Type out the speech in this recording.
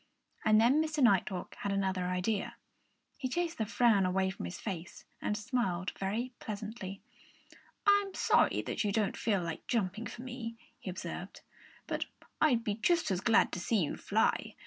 And then Mr. Nighthawk had another idea. He chased the frown away from his face and smiled very pleasantly. "I'm sorry that you don't feel like jumping for me," he observed. "But I'd be just as glad to see you fly!